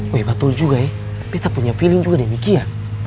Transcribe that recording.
weh betul juga ya kita punya feeling juga deh miki ya